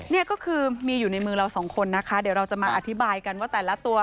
นี่ก็คือมีอยู่ในมือเราสองคนนะคะเดี๋ยวเราจะมาอธิบายกันว่าแต่ละตัว